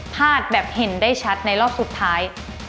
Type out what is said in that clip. แบบเห็นได้ชัดในรอบสุดท้าย